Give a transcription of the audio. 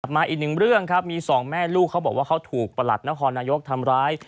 มาอีกหนึ่งเรื่องครับมีสองแม่ลูกเขาบอกว่าเขาถูกประหลัดนครนายกทำร้าย